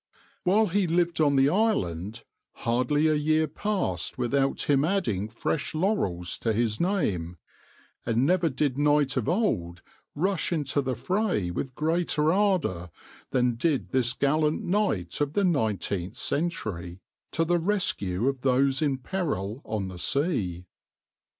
While he lived on the island, hardly a year passed without him adding fresh laurels to his name, and never did knight of old rush into the fray with greater ardour than did this gallant knight of the nineteenth century to the rescue of those in peril on the sea.